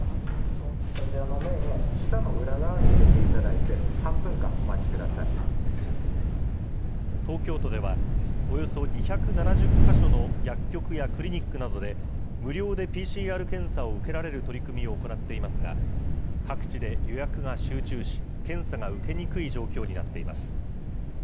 こちらの綿棒、舌の裏側に入れていただいて、東京都では、およそ２７０か所の薬局やクリニックなどで、無料でＰＣＲ検査を受けられる取り組みを行っていますが、各地で予約が集中し、検査が受けにくい状況になっています。